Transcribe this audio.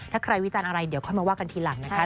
ถ้าใครวิจารณ์อะไรเดี๋ยวค่อยมาว่ากันทีหลังนะคะ